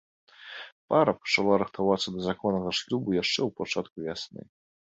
Пара пачала рыхтавацца да законнага шлюбу яшчэ ў пачатку вясны.